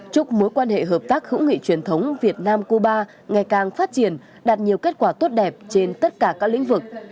chúc mối quan hệ hợp tác hữu nghị truyền thống việt nam cuba ngày càng phát triển đạt nhiều kết quả tốt đẹp trên tất cả các lĩnh vực